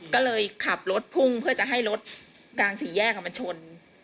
ก็เลยขับรถพุ่งเพื่อจะให้รถกลางสี่แยกมันชน